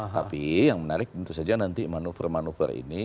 tapi yang menarik tentu saja nanti manuver manuver ini